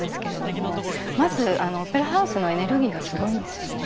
まずオペラハウスのエネルギーがすごいんですよね。